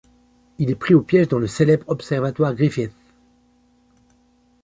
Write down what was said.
Il est pris au piège dans le célèbre Observatoire Griffith.